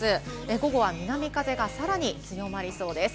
午後は南風がさらに強まりそうです。